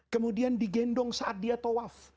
kemudian digendong saat dia tawaf